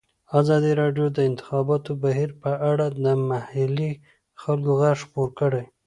ازادي راډیو د د انتخاباتو بهیر په اړه د محلي خلکو غږ خپور کړی.